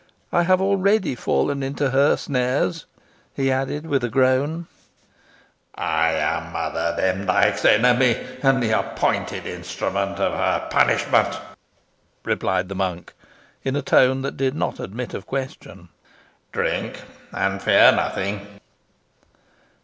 "I have already fallen into her snares," he added, with a groan. [Illustration: THE PHANTOM MONK.] "I am Mother Demdike's enemy, and the appointed instrument of her punishment," replied the monk, in a tone that did not admit of question. "Drink, and fear nothing."